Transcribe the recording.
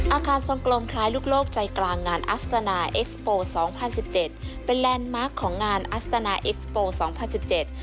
อาคารทรงกลมคล้ายลูกโลกใจกลางงานอสตนาเอ็กสโปร์๒๐๑๗เป็นแลนด์มาร์คของงานอสตนาเอ็กสโปร์๒๐๑๗